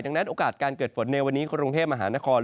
ดังนั้นโอกาสการเกิดฝนในวันนี้กรุงเทพมหานคร